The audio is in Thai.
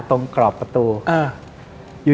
ตรงกรอบประตู